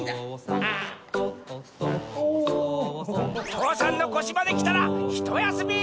父山のこしまできたらひとやすみ！